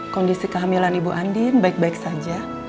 kondisi kehamilan ibu andin baik baik saja